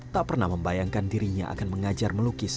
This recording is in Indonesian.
tak pernah membayangkan dirinya akan mengajar melukis